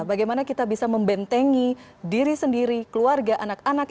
bagaimana kita bisa membentengi diri sendiri keluarga anak anak dan anak anak